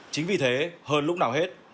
chính vì thế hơn lúc nào hết